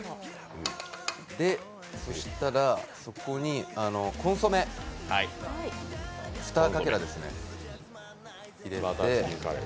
そしたらそこにコンソメ、２かけらですね。